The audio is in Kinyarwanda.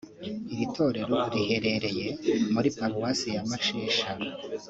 Iri torero riherereye muri Paruwasi ya Mashesha